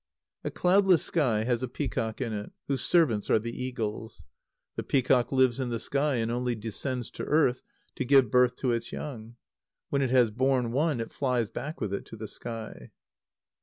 _ A cloudless sky has a peacock in it, whose servants are the eagles. The peacock lives in the sky, and only descends to earth to give birth to its young. When it has borne one, it flies back with it to the sky.